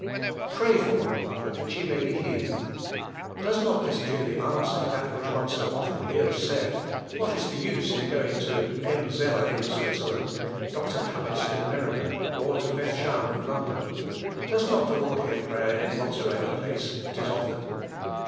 "Pray one for another that ye may be lienled." Hoes nol I his clearly answer that which one so often hears said: What is the use in going io M. Zeller in Switz erland, Dr. I'ullis in America, or to ISclh shan in London? Does not the Lord hear prayer in whatsoever place it is offered?